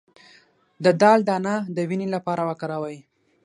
د دال دانه د وینې لپاره وکاروئ